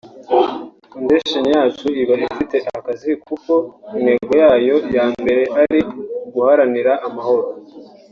Fondation yacu iba ifite akazi kuko intego yayo ya mbere ari uguharanira amahoro